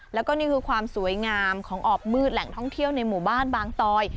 แล้วก็นี่คือความสวยงามของออบมืดแหล่งท่องเที่ยวในหมู่บ้านบางตอย